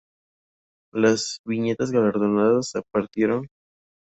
Las viñetas galardonadas partieron del relato "La Mujer Grabada" del escritor argentino Ricardo Piglia.